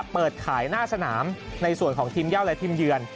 เปิดขายหน้าสนามในส่วนของทีมเย่าและทีมเยือน